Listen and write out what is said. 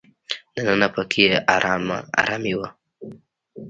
دننه په کې ارامه ارامي وي.